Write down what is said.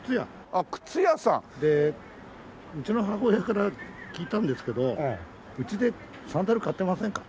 あっ靴屋さん？でうちの母親から聞いたんですけどうちでサンダル買ってませんか？